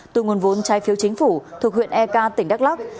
từ nguồn vốn trai phiếu chính phủ thuộc huyện eka tỉnh đắk lắc